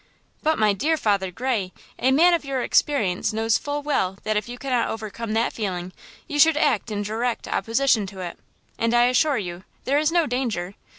"But, my dear Father Gray, a man of your experience knows full well that if you cannot overcome that feeling you should act in direct opposition to it! And, I assure you, there is no danger!